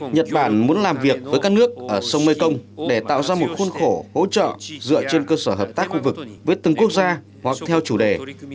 nhật bản muốn làm việc với các nước ở sông mekong để tạo ra một khuôn khổ hỗ trợ dựa trên cơ sở hợp tác khu vực với từng quốc gia hoặc theo chủ đề